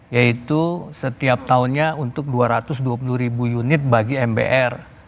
yaitu setiap tahunnya untuk dua ratus dua puluh ribu unit bagi mbr